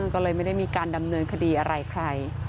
ก็เลยไม่ได้มีการดำเนินคดีอะไรใคร